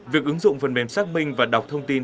việc ứng dụng phần mềm xác minh và đọc thông tin